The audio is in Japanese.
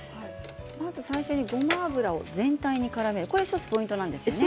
まず最初にごま油を全体にからめるこれが１つポイントなんですね。